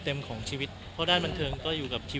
เรียกงานไปเรียบร้อยแล้ว